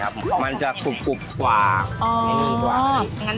น้ำตาล